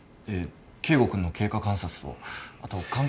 圭吾君の経過観察とあと肝機能。